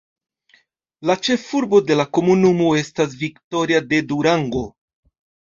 La ĉefurbo de la komunumo estas Victoria de Durango.